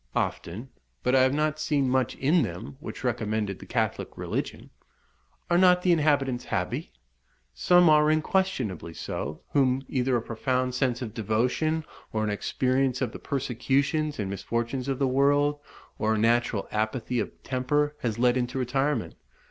"Often; but I have not seen much in them which recommended the Catholic religion." "Are not the inhabitants happy?" "Some are unquestionably so, whom either a profound sense of devotion, or an experience of the persecutions and misfortunes of the world, or a natural apathy of temper, has led into retirement.